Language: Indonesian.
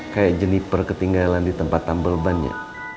kayak jeniper ketinggalan di tempat tambel ban ya